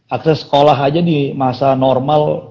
akses sekolah aja di masa normal